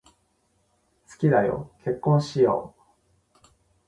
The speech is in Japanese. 好きだよ、結婚しよう。